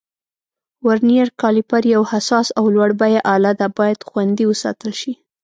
ورنیر کالیپر یو حساس او لوړه بیه آله ده، باید خوندي وساتل شي.